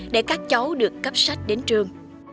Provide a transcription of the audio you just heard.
để các cháu được cấp sách đến trường